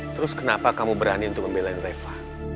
terus kenapa kamu berani untuk memilih reva